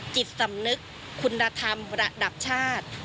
จิตสำนึกคุณธรรมระดับชาติ